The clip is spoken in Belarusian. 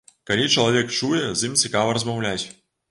Калі чалавек чуе, з ім цікава размаўляць.